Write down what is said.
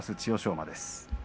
馬です。